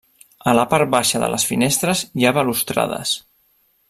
A la part baixa de les finestres hi ha balustrades.